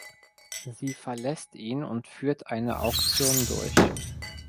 Sie verlässt ihn und führt eine Auktion durch.